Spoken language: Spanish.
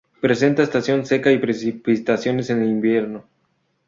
Presenta estación seca y precipitaciones en el invierno.